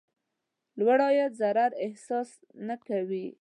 لوړ عاید ضرر احساس نه کوي.